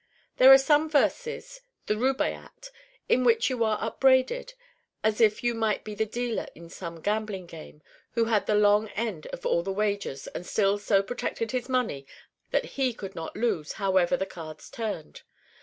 There are some verses the Rubaiyat in which you are upbraided as if you might be the dealer in some gambling game who had the long end of all the wagers and still so protected his money that he could not lose however the cards turned.